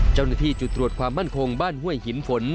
เจ้าหน้าที่จุดตรวจความมั่นคงบ้านห้วยหินฝน